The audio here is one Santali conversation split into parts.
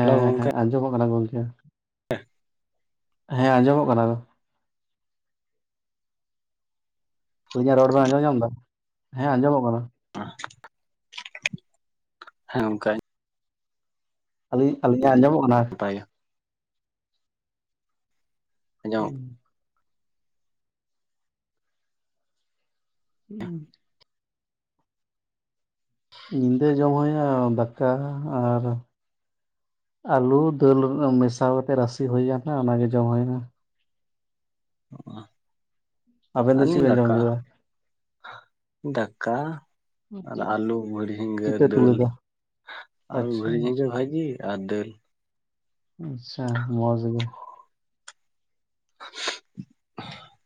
ᱦᱮᱞᱳ ᱜᱚᱝᱠᱮ ᱦᱮᱸ ᱟᱸᱡᱚᱢᱚᱜ ᱠᱟᱱᱟ ᱜᱚᱝᱠᱮ, ᱦᱮᱸ ᱟᱸᱡᱚᱢᱚᱜ ᱠᱟᱱᱟ᱾ ᱤᱧᱟᱜ ᱨᱚᱲ ᱵᱮᱱ ᱟᱸᱡᱚᱢ ᱧᱚᱢ ᱫᱟ? ᱦᱮᱸ ᱟᱸᱡᱚᱢᱚᱜ ᱠᱟᱱᱟ᱾ [unintelligible] ᱦᱮᱸ ᱜᱚᱢᱠᱮ ᱟᱹᱞᱤᱧ ᱟᱹᱞᱤᱧᱟᱜ ᱟᱸᱡᱚᱢᱚᱜ ᱠᱟᱱᱟ? [unintelligible] ᱟᱸᱡᱚᱢᱚᱜ [inaudible] [inaudible] ᱧᱤᱫᱟᱹ ᱡᱚᱢ ᱦᱩᱭᱩᱜᱼᱟ ᱫᱟᱠᱟ ᱟᱨ ᱟᱹᱞᱩ ᱫᱟᱹᱞ ᱢᱮᱥᱟ ᱠᱟᱛᱮ ᱨᱟᱥᱮ ᱦᱩᱭᱟᱱ ᱦᱟᱜ ᱚᱱᱟᱜᱮ ᱡᱚᱢ ᱦᱩᱭᱱᱟ᱾ ᱟᱵᱮᱱ ᱫᱚ ᱪᱮᱫ ᱟᱞᱤᱝ ᱵᱮᱱ ᱡᱚᱢ ᱫᱟᱠᱟ, ᱠᱮᱫᱟ ᱫᱟᱠᱟ ᱟᱨ ᱟᱞᱩ ᱵᱷᱤᱲ ᱡᱷᱤᱸᱜᱟᱹ ᱪᱮᱫ ᱯᱮ ᱩᱛᱩ ᱫᱟᱹᱞ ᱞᱮᱫᱟ ᱟᱪᱪᱷᱟ ᱵᱷᱤᱲ ᱡᱷᱤᱸᱜᱟᱹ ᱵᱷᱟᱹᱡᱤ ᱟᱨ ᱫᱟᱹᱞ, ᱟᱪᱪᱷᱟ ᱢᱚᱡᱽ ᱜᱮ᱾ [unintelligible]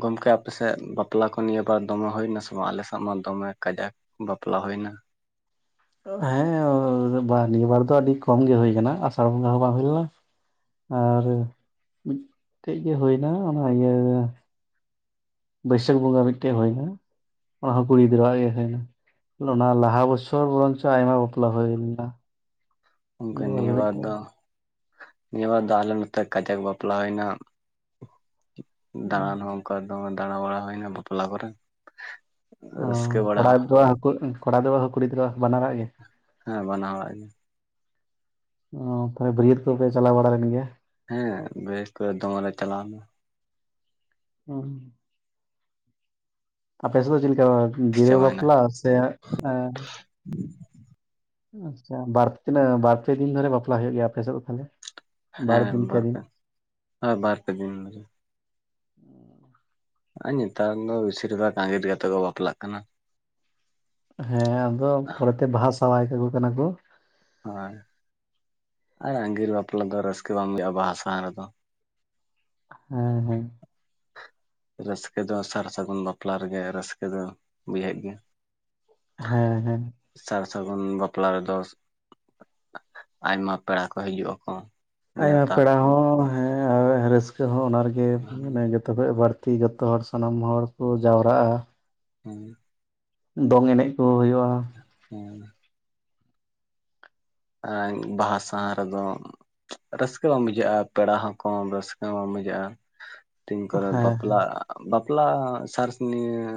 ᱜᱚᱢᱠᱮ ᱟᱯᱮᱥᱮᱫ ᱵᱟᱯᱞᱟ ᱠᱚ ᱱᱤᱭᱟᱹ ᱵᱟᱨ ᱫᱚᱢᱮ ᱦᱩᱭ ᱱᱟ ᱥᱮ ᱵᱟᱝ ᱟᱞᱮᱥᱮᱜ ᱢᱟ ᱫᱚᱢᱮ ᱠᱟᱡᱟᱠ ᱵᱟᱯᱞᱟ ᱦᱩᱭᱱᱟ᱾ ᱦᱮᱸ ᱱᱤᱭᱟᱹ ᱵᱟᱨ ᱫᱚ ᱟᱹᱰᱤ ᱠᱚᱢ ᱜᱮ ᱦᱩᱭ ᱠᱟᱱᱟ ᱟᱥᱟᱲ ᱵᱚᱸᱜᱟ ᱦᱚᱸ ᱵᱟᱝ ᱦᱩᱭ ᱞᱮᱱᱟ, ᱟᱨ ᱢᱤᱫᱴᱮᱢᱽ ᱜᱮ ᱦᱩᱭᱱᱟ ᱚᱱᱟ ᱤᱭᱟᱹ ᱵᱟᱹᱭᱥᱟᱹᱠ ᱵᱚᱸᱜᱟ ᱢᱤᱫᱴᱮᱡ ᱦᱩᱭᱱᱟ ᱚᱱᱟ ᱦᱚᱸ ᱠᱩᱲᱤ ᱜᱤᱫᱽᱨᱟᱹᱣᱟᱜ ᱜᱮ ᱦᱩᱭ ᱱᱟ ᱞᱚᱱᱱᱟ ᱞᱟᱦᱟ ᱵᱚ ᱥᱚᱨ ᱵᱚᱨᱚᱧᱪᱚ ᱟᱭᱢᱟ ᱵᱟᱯᱞᱟ ᱦᱩᱭ ᱞᱮᱱᱟ᱾ ᱜᱚᱢᱠᱮ ᱱᱤᱭᱟᱹ ᱵᱟᱨ ᱱᱤᱵᱟᱨ ᱢᱤᱫᱴᱮᱱ ᱫᱚ, ᱱᱤᱭᱟᱹᱵᱟᱨ ᱫᱚ ᱟᱞᱮ ᱱᱚᱱ ᱛᱮ ᱠᱟᱡᱟᱠ ᱵᱟᱯᱞᱟ ᱦᱩᱭᱱᱟ᱾ ᱫᱟᱬᱟᱱ ᱦᱚᱸ ᱚᱝᱠᱟ ᱫᱚᱢᱮ ᱫᱟᱬᱟ ᱵᱟᱲᱟ ᱦᱩᱭᱱᱟ ᱵᱟᱯᱞᱟ ᱠᱚᱨᱮ᱾ ᱚᱸ ᱨᱟᱹᱥᱠᱟᱹ ᱵᱟᱲᱟ ᱠᱚᱲᱟ ᱜᱤᱫᱽᱨᱟᱹᱣᱟᱜ ᱦᱚᱸ ᱠᱚᱲᱟ ᱜᱤᱫᱽᱨᱟᱹᱣᱟᱜ ᱦᱚᱸ ᱠᱩᱲᱤ ᱜᱤᱫᱽᱨᱟᱹᱣᱟᱜ ᱦᱚᱸ ᱵᱟᱱᱟᱨᱟᱜ ᱜᱮ? ᱦᱮᱸ ᱵᱟᱱᱟ ᱦᱚᱲᱟᱜ ᱜᱮ᱾ ᱚ ᱛᱟᱦᱚᱞᱮ ᱵᱟᱹᱨᱭᱟᱹᱛ ᱠᱚᱯᱮ ᱪᱟᱞᱟᱣ ᱵᱟᱲᱟ ᱞᱮᱱ ᱜᱮᱭᱟ? ᱦᱮᱸ ᱵᱮᱥ ᱠᱚ ᱫᱚᱢᱮ ᱞᱮ ᱪᱟᱞᱟᱣᱱᱟ᱾ [unintelligible] ᱟᱯᱮ ᱥᱮᱫ ᱫᱚ ᱪᱮᱫᱞᱮᱠᱟ ᱡᱤᱨᱟᱹᱣ ᱪᱟᱵᱟᱭᱮᱱᱟ ᱵᱟᱯᱞᱟ ᱥᱮ ᱮᱸ ᱟᱪᱪᱷᱟ ᱵᱟᱨ ᱛᱤᱱᱟᱹᱜ ᱵᱟᱨ ᱯᱮ ᱫᱤᱱ ᱫᱷᱚᱨᱮ ᱵᱟᱯᱞᱟ ᱦᱩᱭᱩᱜ ᱜᱮᱭᱟ ᱟᱯᱮ ᱥᱮᱫ ᱫᱚ ᱛᱟᱦᱟᱞᱮ? ᱦᱮᱸ ᱵᱟᱨᱯᱮ ᱦᱳᱭ ᱵᱟᱨ ᱯᱮ ᱫᱤᱱ ᱫᱷᱚᱨᱮ᱾ ᱟᱨ ᱱᱮᱛᱟᱨ ᱫᱚ ᱵᱤᱥᱤᱨ ᱵᱷᱟᱜᱽ ᱟᱜᱤᱨ ᱠᱟᱛᱮ ᱠᱚ ᱵᱟᱯᱞᱟᱜ ᱠᱟᱱᱟ᱾ ᱦᱮᱸ ᱟᱫᱚ ᱯᱚᱨᱮᱛᱮ ᱵᱟᱦᱟ ᱥᱟᱣᱟᱭ ᱠᱟᱠᱚ ᱠᱟᱱᱟ ᱠᱚ᱾ ᱦᱳᱭ ᱟᱨ ᱟᱸᱜᱤᱨ ᱵᱟᱯᱞᱟ ᱫᱚ ᱨᱟᱹᱥᱠᱟᱹ ᱵᱟᱝ ᱵᱩᱡᱷᱟᱹᱜᱼᱟ ᱵᱟᱦᱟ ᱥᱟᱶᱟ ᱨᱮᱫᱚ᱾ ᱦᱮᱸ ᱦᱮᱸ ᱨᱟᱹᱥᱠᱟᱹ ᱫᱚ ᱥᱟᱨ ᱥᱟᱹᱜᱩᱱ ᱵᱟᱯᱞᱟ ᱨᱮᱜᱮ ᱨᱟᱹᱥᱠᱟᱹ ᱫᱚ ᱵᱩᱡᱷᱟᱹᱜ ᱜᱮᱭᱟ᱾ ᱦᱮᱸ ᱦᱮᱸ ᱥᱟᱨ ᱥᱟᱹᱜᱩᱱ ᱵᱟᱯᱞᱟ ᱨᱮᱫᱚ ᱟᱭᱢᱟ ᱯᱮᱲᱟ ᱠᱚ ᱦᱤᱡᱩᱜ ᱟᱠᱚ, ᱟᱭᱢᱟ ᱱᱮᱣᱛᱟ ᱯᱮᱲᱟ ᱦᱚᱸ ᱦᱮᱸ ᱟᱨ ᱨᱟᱹᱥᱠᱟᱹ ᱦᱚᱸ ᱚᱱᱟ ᱨᱮᱜᱮ ᱢᱟᱱᱮ ᱡᱚᱛᱚ ᱛᱚᱵᱮ ᱵᱟᱹᱲᱛᱤ ᱡᱚᱛᱚ ᱦᱚᱲ ᱥᱟᱱᱟᱢ ᱦᱚᱲ ᱠᱚ ᱡᱟᱣᱨᱟᱜᱼᱟ᱾ ᱦᱩᱸ ᱫᱚᱝ ᱮᱱᱮᱡ ᱠᱚ ᱦᱩᱭᱩᱜᱼᱟ᱾ ᱦᱮᱸ ᱟᱸ ᱵᱟᱦᱟ ᱥᱟᱶᱟ ᱨᱮᱫᱚ ᱨᱟᱹᱥᱠᱟᱹ ᱵᱟᱝ ᱵᱩᱡᱷᱟᱹᱜᱼᱟ ᱯᱮᱲᱟ ᱦᱚᱸᱠᱚ ᱨᱟᱹᱥᱠᱟᱹ ᱵᱟᱝ ᱵᱩᱡᱷᱟᱹᱜᱼᱟ ᱛᱤᱱ ᱠᱚᱨᱮ ᱦᱮᱸ ᱵᱟᱯᱞᱟ ᱵᱟᱯᱞᱟ ᱥᱟᱨᱥᱨᱤᱱᱤᱭᱟ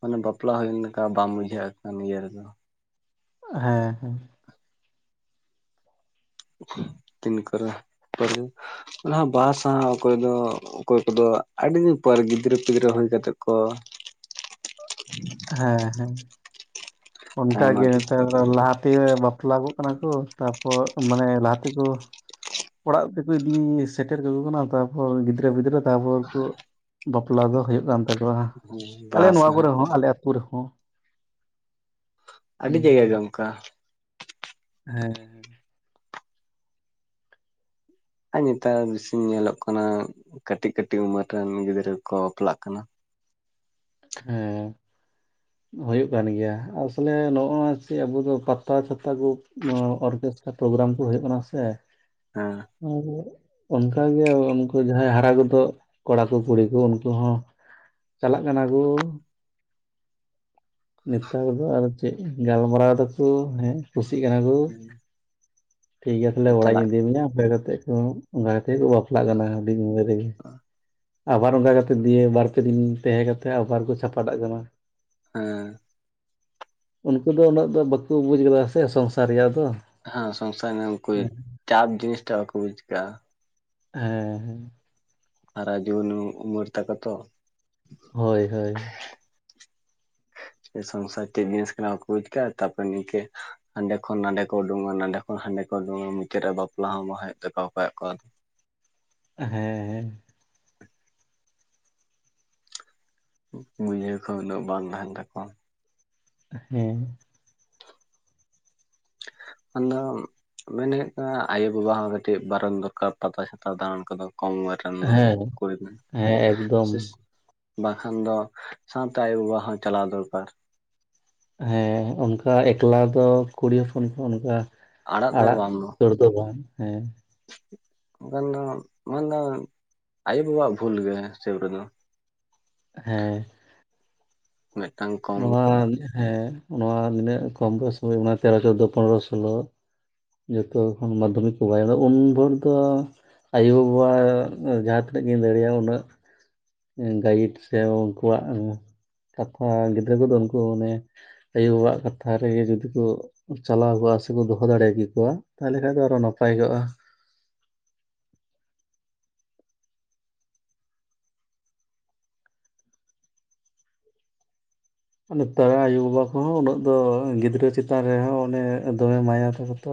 ᱢᱟᱱᱮ ᱵᱟᱯᱞᱟ ᱦᱩᱭᱮᱱ ᱞᱮᱠᱟ ᱵᱟᱢ ᱵᱩᱡᱷᱟᱹᱣᱮᱫ ᱠᱟᱱᱟ ᱤᱭᱟᱹ ᱨᱮᱫᱚ ᱦᱮᱸ ᱦᱮᱸ ᱛᱤᱱ ᱠᱚᱨᱮ ᱯᱟᱨᱩ ᱚᱱᱟ ᱦᱚᱸ ᱵᱟᱦᱟ ᱥᱟᱶᱟ ᱚᱠᱚᱭ ᱫᱚ ᱚᱠᱚᱭ ᱠᱚᱫᱚ ᱟᱹᱰᱤ ᱫᱤᱱ ᱯᱚᱨᱮ ᱜᱤᱫᱽᱨᱟᱹ ᱯᱤᱫᱽᱨᱟᱹ ᱦᱩᱭ ᱠᱟᱛᱮᱫ ᱠᱚ ᱦᱮᱸ ᱦᱮᱸ ᱚᱱᱠ ᱟᱭᱢᱟ ᱜᱮ ᱫᱤᱱ ᱱᱮᱛᱟᱨ ᱞᱟᱦᱟᱛᱮ ᱵᱟᱯᱞᱟ ᱠᱚᱜ ᱠᱟᱱᱟ ᱠᱚ ᱛᱟᱯᱚᱨ ᱢᱟᱱᱮ ᱞᱟᱦᱟ ᱛᱮᱠᱚ ᱚᱲᱟᱜ ᱛᱮᱠᱚ ᱤᱫᱤ ᱥᱮᱴᱮᱨ ᱠᱟᱠᱚ ᱠᱟᱱᱟ ᱛᱟᱯᱚᱨ ᱜᱤᱫᱽᱨᱟᱹ ᱯᱤᱫᱽᱨᱟᱹ ᱛᱟᱯᱚᱨ ᱠᱚ ᱵᱟᱯᱞᱟ ᱫᱚ ᱦᱩᱭᱩᱜ ᱠᱟᱱ ᱛᱟᱠᱚᱣᱟ ᱟᱞᱮ ᱵᱟᱦᱟ ᱱᱚᱣᱟ ᱥᱟᱦᱟ ᱠᱚᱨᱮ ᱦᱚᱸ ᱟᱞᱮ ᱟᱛᱳ ᱠᱩᱨᱮ ᱦᱚᱸ ᱟᱹᱰᱤ ᱡᱟᱭᱜᱟ ᱜᱮ ᱚᱱᱠᱟ ᱦᱮᱸ ᱟᱨ ᱱᱮᱛᱟᱨ ᱵᱮᱥᱤ ᱧᱮᱞᱚᱜ ᱠᱟᱱᱟ ᱠᱟᱹᱴᱤᱡ ᱠᱟᱹᱴᱤᱡ ᱩᱢᱮᱨ ᱨᱮᱱ ᱜᱤᱫᱽᱨᱟᱹ ᱠᱚ ᱵᱟᱯᱞᱟᱜ ᱠᱟᱱᱟ ᱦᱮᱸ ᱦᱩᱭᱩᱜ ᱠᱟᱱ ᱜᱮᱭᱟ ᱟᱥᱚᱞᱮ ᱱᱚᱜᱚᱭ ᱪᱮᱫ ᱟᱵᱩ ᱫᱚ ᱯᱟᱛᱟ ᱪᱷᱟᱛᱟ ᱠᱚ ᱚᱨᱜᱮᱥ ᱯᱨᱳᱜᱨᱟᱢ ᱠᱚ ᱦᱩᱭᱩᱜ ᱠᱟᱱᱟ ᱥᱮ ᱦᱟᱸ [unintelligible] ᱚᱱᱠᱟᱜᱮ ᱩᱱᱠᱩ ᱡᱟᱦᱟᱸᱭ ᱦᱟᱨᱟ ᱜᱚᱫᱚᱜ ᱠᱚᱲᱟ ᱠᱚ ᱠᱩᱲᱤ ᱠᱚ ᱩᱱᱠᱩ ᱦᱚᱸ ᱪᱟᱞᱟᱜ ᱠᱟᱱᱟ ᱠᱚ ᱱᱮᱛᱟᱨ ᱫᱚ ᱟᱨ ᱪᱮᱫ ᱜᱟᱞᱢᱟᱨᱟᱣ ᱫᱟᱠᱚ ᱦᱮᱸ ᱠᱩᱥᱤᱜ ᱠᱟᱱᱟ ᱠᱚ ᱴᱷᱤᱠᱜᱮᱭᱟ ᱛᱟᱦᱚᱞᱮ ᱟᱨ ᱚᱲᱟᱜ ᱤᱧ ᱪᱟᱞᱟᱜ ᱤᱫᱤ ᱢᱮᱭᱟ ᱦᱮ ᱠᱟᱛᱮᱫ ᱠᱚ ᱚᱱᱟ ᱠᱷᱟᱛᱤᱨ ᱠᱚ ᱵᱟᱯᱞᱟᱜ ᱠᱟᱱᱟ ᱦᱩᱰᱤᱧ ᱩᱢᱮᱨ ᱨᱮᱜᱮ ᱟᱵᱟᱨ ᱚᱱᱠᱟ ᱠᱟᱛᱮᱜ ᱫᱤᱭᱮ ᱵᱟᱨᱯᱮ ᱫᱤᱱ ᱛᱟᱦᱮᱸ ᱠᱟᱛᱮᱫ ᱟᱵᱟᱨ ᱠᱚ ᱪᱷᱟᱯᱟᱰᱟᱜ ᱠᱟᱱᱟ ᱟᱸ ᱩᱱᱠᱩ ᱫᱚ ᱩᱱᱟᱹᱜ ᱫᱚ ᱵᱟᱠᱚ ᱵᱩᱡ ᱠᱟᱫᱟ ᱥᱮ ᱥᱚᱝᱥᱟᱨ ᱨᱮᱭᱟᱜ ᱫᱚ ᱦᱮᱸ ᱥᱚᱝᱥᱟᱨ ᱠᱚ ᱦᱮᱸ ᱪᱟᱯ ᱡᱤᱱᱤᱥ ᱴᱟᱜ ᱵᱟᱠᱚ ᱵᱩᱡᱟᱠᱟᱫᱟ ᱦᱮᱸ ᱦᱮᱸ ᱥᱟᱨᱟ ᱡᱩᱣᱟᱹᱱ ᱩᱢᱮᱨ ᱛᱟᱠᱚᱛᱚ ᱦᱳᱭ ᱦᱳᱭ ᱥᱮ ᱥᱚᱝᱥᱟᱨ ᱪᱮᱫ ᱡᱤᱱᱤᱥ ᱠᱟᱱᱟ ᱵᱟᱠᱚ ᱵᱩᱡᱽ ᱠᱟᱜᱼᱟ ᱛᱟᱨᱯᱚᱨ ᱱᱤᱝᱠᱟᱹ ᱦᱟᱸᱰᱮ ᱠᱷᱚᱱ ᱱᱟᱰᱮ ᱠᱚ ᱩᱰᱩᱝᱼᱟ ᱱᱟᱰᱮ ᱠᱷᱚᱱ ᱦᱟᱸᱰᱮ ᱠᱚ ᱩᱰᱩᱝᱼᱟ ᱢᱩᱪᱟᱹᱫ ᱨᱮ ᱵᱟᱯᱞᱟ ᱦᱚᱸ ᱵᱟᱝ ᱦᱩᱭᱩᱜ ᱛᱟᱠᱚᱣᱟ ᱚᱠᱚᱭᱟᱜ ᱠᱚ ᱦᱮᱸ ᱦᱮᱸ ᱵᱩᱡᱷᱟᱹᱣ ᱠᱚᱦᱚ ᱩᱱᱟᱹᱜ ᱵᱟᱝ ᱛᱟᱦᱮᱱ ᱛᱟᱠᱚᱣᱟ ᱦᱮᱸ ᱟᱫᱚ ᱢᱮᱱ ᱦᱩᱭᱩᱜ ᱠᱟᱱᱟ ᱟᱭᱳᱼᱵᱟᱵᱟ ᱦᱚᱸ ᱠᱟᱹᱴᱤᱡ ᱵᱟᱨᱚᱱ ᱫᱚᱨᱠᱟᱨ ᱯᱟᱛᱟ ᱪᱷᱟᱛᱟ ᱫᱟᱸᱬᱟᱱ ᱠᱚᱫᱚ ᱠᱚᱢ ᱩᱢᱟᱹᱨ ᱵᱟᱝᱠᱷᱟᱱ ᱫᱚ ᱦᱮᱸ ᱠᱚᱭ ᱢᱮ ᱦᱮᱸ ᱮᱠᱫᱚᱢ ᱵᱟᱠᱷᱟᱱ ᱫᱚ ᱥᱟᱣᱛᱮ ᱟᱭᱳ ᱵᱟᱵᱟ ᱦᱚᱸ ᱪᱟᱞᱟᱣ ᱫᱚᱨᱠᱟᱨ ᱦᱮᱸ ᱚᱱᱠᱟ ᱮᱠᱞᱟ ᱫᱚ ᱠᱩᱲᱤ ᱦᱚᱯᱚᱱ ᱠᱚ ᱚᱱᱠᱟ ᱟᱲᱟᱜ ᱫᱟᱹᱲ ᱫᱚ ᱵᱟᱝ ᱦᱮᱸ ᱵᱟᱠᱷᱟᱱ ᱫᱚ ᱚᱱᱟ ᱫᱚ ᱟᱭᱳ ᱵᱟᱵᱟ ᱟᱜ ᱵᱷᱩᱞ ᱜᱮ ᱦᱤᱥᱟᱹᱵᱽ ᱨᱮ ᱫᱚ ᱦᱮᱸ ᱢᱤᱫᱴᱟᱝ ᱠᱚᱢ ᱱᱚᱣᱟ ᱦᱮᱸ ᱱᱚᱣᱟ ᱱᱤᱱᱟᱹᱜ ᱠᱚᱢ ᱵᱚᱭᱮᱥ ᱨᱮ ᱛᱮᱨᱚ ᱪᱳᱫᱫᱳ ᱯᱚᱱᱮᱨᱚ ᱥᱳᱞᱳ ᱡᱚᱛᱚ ᱠᱷᱚᱱ ᱢᱟᱫᱽᱫᱷᱚᱢᱤᱠ ᱠᱚ ᱵᱟᱭ ᱮᱢᱮᱜ ᱩᱱ ᱵᱷᱳᱨ ᱫᱚ ᱟᱭᱳ ᱵᱟᱵᱟ ᱡᱟᱦᱟᱸ ᱛᱤᱱᱟᱹᱜ ᱜᱤ ᱫᱟᱲᱮᱭᱟᱜᱼᱟ ᱩᱱᱟᱹᱜ ᱜᱟᱭᱤᱰ ᱥᱮ ᱩᱱᱠᱩᱣᱟᱜ ᱠᱟᱛᱷᱟ ᱜᱤᱫᱽᱨᱟᱹ ᱠᱚᱫᱚ ᱩᱱᱠᱩ ᱚᱱᱮ ᱟᱭᱳ ᱵᱟᱵᱟ ᱟᱜ ᱠᱟᱛᱷᱟ ᱨᱮᱜᱮ ᱡᱩᱫᱤ ᱠᱚ ᱪᱟᱞᱟᱣ ᱠᱚᱜᱼᱟ ᱥᱮᱠᱚ ᱫᱚᱦᱚ ᱫᱟᱲᱮ ᱠᱮᱠᱚᱣᱟ ᱛᱟᱦᱚᱞᱮ ᱠᱷᱟᱡ ᱫᱚ ᱟᱨᱚ ᱱᱟᱯᱟᱭ ᱠᱚᱜᱼᱟ ᱱᱮᱛᱟᱨ ᱟᱭᱩ ᱵᱟᱵᱟ ᱠᱚᱦᱚᱸ ᱩᱱᱟᱹᱜ ᱫᱚ ᱜᱤᱫᱽᱨᱟᱹ ᱪᱮᱛᱟᱱ ᱨᱮᱦᱚᱸ ᱚᱱᱮ ᱫᱚᱢᱮ ᱢᱟᱭᱟ ᱛᱟᱠᱩ ᱛᱚ